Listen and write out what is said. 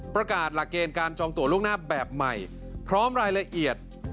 ประกาศหลักเกณฑ์การจองตัวล่วงหน้าแบบใหม่พร้อมรายละเอียด